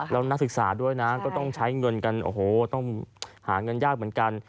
แล้วนักศึกษาด้วยนะก็ต้องใช้เงินกันโอ้โหต้องหาเงินยากเหมือนกัน